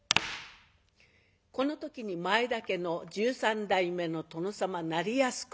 この時に前田家の１３代目の殿様斉泰公。